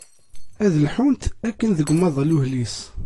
Ad lḥunt akken deg umaḍal uhlis.